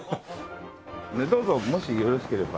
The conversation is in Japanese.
どうぞもしよろしければ。